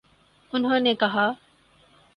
انہوں نے کہا